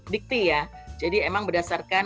dikti ya jadi emang berdasarkan